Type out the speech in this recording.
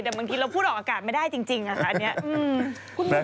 แต่บางทีเราพูดออกอากาศไม่ได้จริงค่ะอันนี้